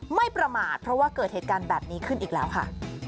ไม่ประมาทเพราะว่าเกิดเหตุการณ์แบบนี้ขึ้นอีกแล้วค่ะ